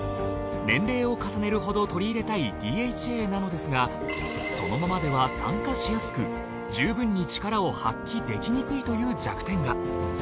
年齢を重ねるほど摂り入れたいＤＨＡなのですがそのままでは酸化しやすく十分にチカラを発揮できにくいという弱点が。